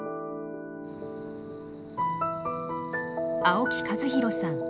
青木和洋さん